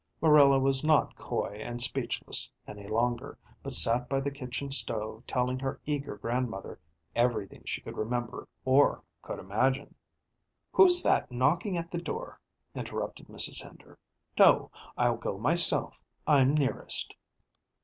Marilla was not coy and speechless any longer, but sat by the kitchen stove telling her eager grandmother everything she could remember or could imagine. "Who's that knocking at the door?" interrupted Mrs. Hender. "No, I'll go myself; I'm nearest."